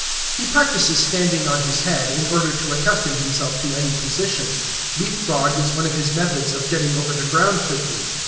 He practices standing on his head, in order to accustom himself to any position. Leapfrog is one of his methods of getting over the ground quickly.